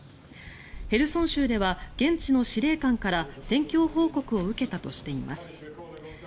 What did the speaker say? ヘルソン州では現地の司令官から戦況報告を受けたとしています。